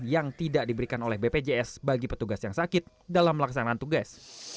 yang tidak diberikan oleh bpjs bagi petugas yang sakit dalam melaksanakan tugas